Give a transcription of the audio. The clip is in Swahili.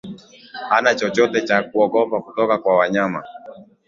hana chochote cha kuogopa kutoka kwa wanyama